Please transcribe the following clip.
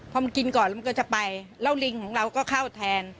พอมันกินก่อนแล้วมันก็จะไปแล้วลิงของเราก็เข้าแทน